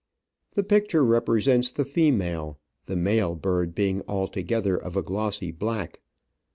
The picture repre sents the female, the male bird being altogether of a glossy black.